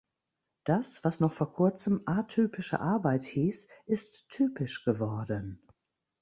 Das, was noch vor kurzem atypische Arbeit hieß, ist typisch geworden.